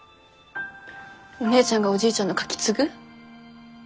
お姉ちゃんがおじいちゃんのカキ継ぐ？